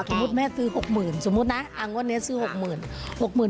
สมมุติแม่ซื้อ๖๐๐๐๐สมมุตินะอังวะเธอนี้ซื้อ๖๐๐๐๐